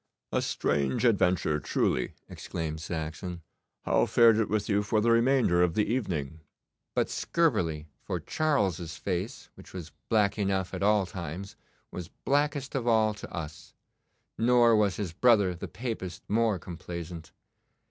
'A strange adventure truly,' exclaimed Saxon. 'How fared it with you for the remainder of the evening?' 'But scurvily, for Charles's face, which was black enough at all times, was blackest of all to us; nor was his brother the Papist more complaisant.